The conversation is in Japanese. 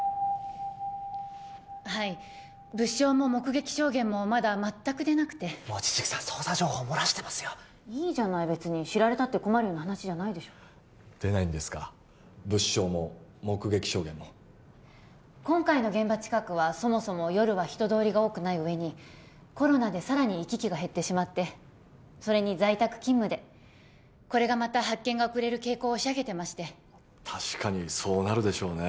はい物証も目撃証言もまだ全く出なくて望月さん捜査情報漏らしてますよいいじゃない別に知られたって困るような話じゃないでしょ出ないんですか物証も目撃証言も今回の現場近くはそもそも夜は人通りが多くない上にコロナでさらに行き来が減ってしまってそれに在宅勤務でこれがまた発見が遅れる傾向を押し上げてまして確かにそうなるでしょうね